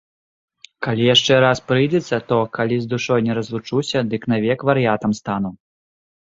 Калі яшчэ раз прыйдзецца, то, калі з душой не разлучуся, дык навек вар'ятам стану.